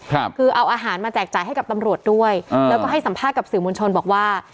คือเอาอาหารมาแจกจ่ายให้กับตำรวจด้วยอ่าแล้วก็ให้สัมภาษณ์กับสื่อมวลชนบอกว่า